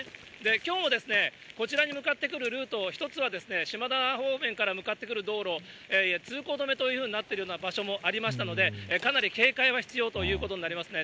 きょうもこちら向かってくるルートの一つは、しまだ方面から向かってくる道路、通行止めというふうになってるような場所もありましたので、かなり警戒は必要ということになりますね。